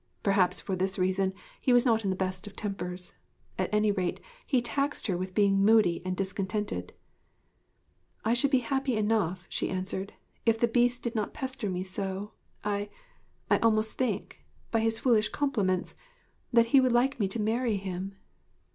Perhaps for this reason he was not in the best of tempers; at any rate he taxed her with being moody and discontented. 'I should be happy enough,' she answered, 'if the Beast did not pester me so. I I almost think, by his foolish compliments, that he would like me to marry him.'